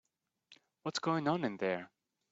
What's going on in there?